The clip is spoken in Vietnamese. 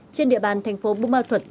trên địa bàn thành phố buôn ma thuật